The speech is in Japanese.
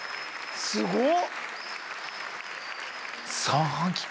すごっ！